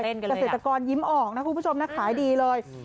เกษตรกรยิ้มออกนะคุณผู้ชมนะขายดีเลย